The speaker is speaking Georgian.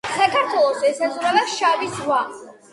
საქართველოს ესაზღვრება შავი ზღვა